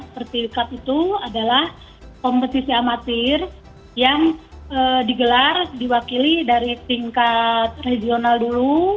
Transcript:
seperti cup itu adalah kompetisi amatir yang digelar diwakili dari tingkat regional dulu